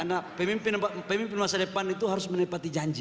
karena pemimpin masa depan itu harus menepati janji